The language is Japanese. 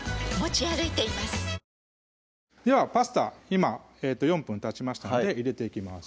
今４分たちましたので入れていきます